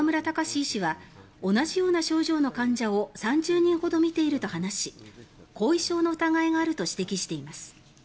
医師は同じような症状の患者を３０人ほど診ていると話し後遺症の疑いがあると指摘しています。